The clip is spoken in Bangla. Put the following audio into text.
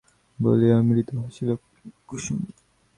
বলিয়া মৃদু হাসিল কুসুম।